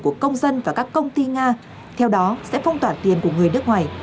của công dân và các công ty nga theo đó sẽ phong tỏa tiền của người nước ngoài